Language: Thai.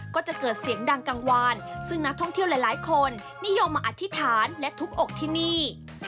ก็จะเกิดเสียงดังกลางวานซึ่งนักท่องเที่ยวหลายคนนิยมมาอธิษฐานและทุบอกที่นี่